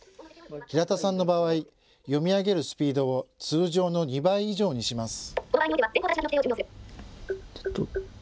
平田さんの場合、読み上げるスピードを通常の２倍以上にします。